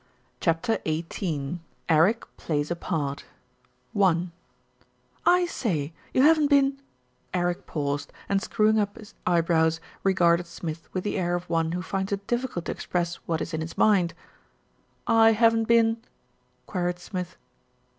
CHAPTER XVIII ERIC PLAYS A PART "f SAY, you haven't been " Eric paused and, screwing up his eyebrows, regarded Smith with the air of one who finds it difficult to express what is in his mind. "I haven't been?" queried Smith.